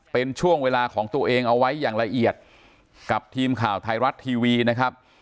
เป็นช่วงเวลาของตัวเองเอาไว้อย่างละเอียดกับทีมข่าวไทยรัฐทีวีนะครับ